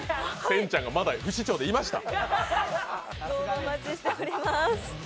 せんちゃんがまだ不死鳥でいました。